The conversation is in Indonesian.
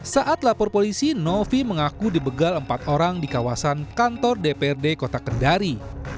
saat lapor polisi novi mengaku dibegal empat orang di kawasan kantor dprd kota kendari